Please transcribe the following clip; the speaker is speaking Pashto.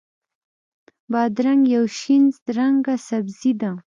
بادرنګ یو شین رنګه سبزي ده.